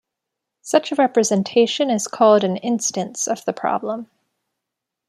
Such a representation is called an "instance" of the problem.